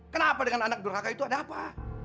kenapa dengan anak durhaka itu ada apa